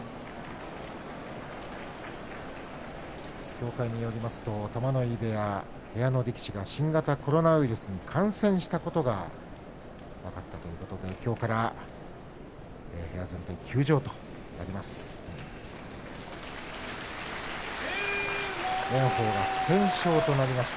協会によりますと玉ノ井部屋部屋の力士が新型コロナウイルスに感染したことが分かったということできょうから部屋の力士が休場になります。